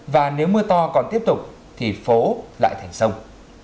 và nếu mưa to còn tiếp tục thì phố lại thành sông